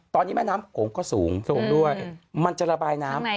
ตอนนี้แม่น้ำก็สูงมันจะระบายน้ำ